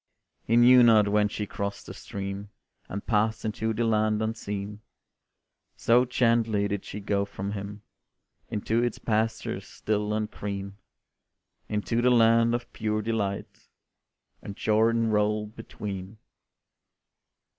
He knew not when she crossed the stream, And passed into the land unseen, So gently did she go from him Into its pastures still and green; Into the land of pure delight, And Jordan rolled between.